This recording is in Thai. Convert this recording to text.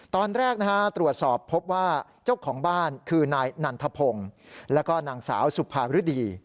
ตอนแรกตรวจสอบพบว่าเจ้าของบ้านคือนายนันทพงศ์แล้วก็นางสาวสุภาฤดี